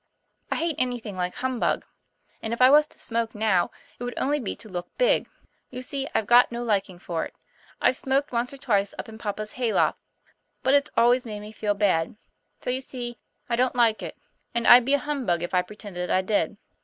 " I hate anything like humbug. And if I was to smoke now, it would only be to look big. You see I've got no liking for it. I've smoked once or twice up in papa's hay loft, but it's always made me feel bad. So you see I don't like it; and I'd be a humbug if I pretended I did."